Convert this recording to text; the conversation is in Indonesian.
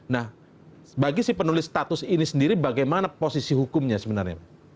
nah bagi si penulis status ini sendiri bagaimana posisi hukumnya sebenarnya